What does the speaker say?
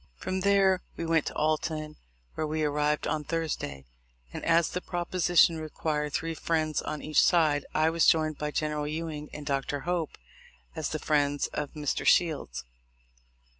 From there we went to Alton, where we arrived on Thursday; and, as the proposition required three friends on each side, I was joined by General Ewing and Dr. Hope, as the friends of Mr. Shields.